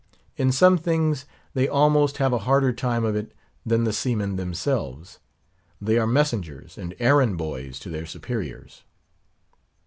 In some things, they almost have a harder time of it than the seamen themselves. They are messengers and errand boys to their superiors.